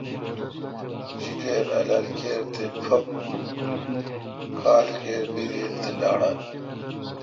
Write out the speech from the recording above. جیکر، الالکر، تھے پھپ کھال کِربرییل تہ لاڑال۔